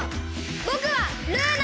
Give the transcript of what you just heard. ぼくはルーナ！